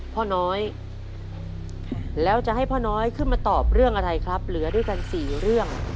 พ่อน้อยแล้วจะให้พ่อน้อยขึ้นมาตอบเรื่องอะไรครับเหลือด้วยกัน๔เรื่อง